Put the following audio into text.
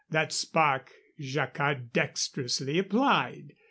That spark Jacquard dexterously applied.